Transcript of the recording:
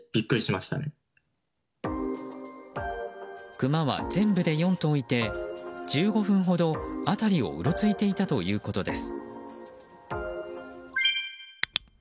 クマは全部で４頭いて１５分ほど辺りをうろついていたということです。